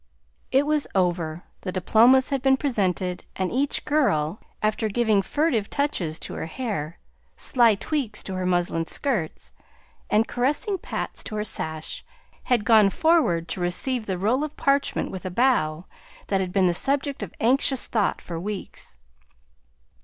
It was over! The diplomas had been presented, and each girl, after giving furtive touches to her hair, sly tweaks to her muslin skirts, and caressing pats to her sash, had gone forward to receive the roll of parchment with a bow that had been the subject of anxious thought for weeks.